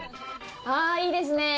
あいいですね。